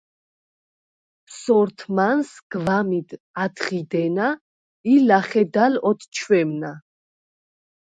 სორთმანს გვა̈მიდ ათხიდენა ი ლა̈ხედალ ოთჩვემნა.